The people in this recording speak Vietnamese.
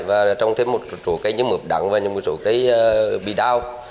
và trồng thêm một số cây như mớp đắng và một số cây bị đào